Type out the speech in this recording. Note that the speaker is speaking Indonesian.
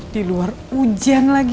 di luar hujan lagi